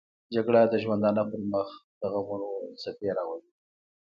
جګړه د ژوندانه پر مخ دغمونو څپې راولي